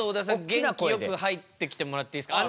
げんきよく入ってきてもらっていいですか？